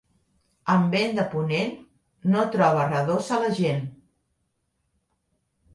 Amb vent de ponent, no troba redossa la gent.